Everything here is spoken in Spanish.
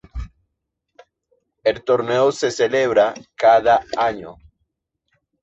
El torneo se celebra cada año.